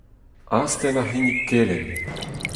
Astenn ar c'hinnig kelenn.